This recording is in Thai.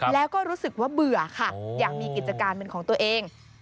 แล้วก็รู้สึกว่าเบื่อค่ะอยากมีกิจการเป็นของตัวเอง